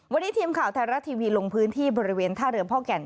วันนี้ทีมข่าวไทยรัฐทีวีลงพื้นที่บริเวณท่าเรือพ่อแก่น